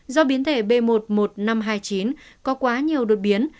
do biến thể b một một năm trăm hai mươi chín có quá nhiều đột biến